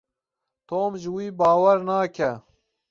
Tom ji wî bawer nake.